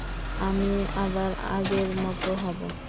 আমি আবার আগের মত হব।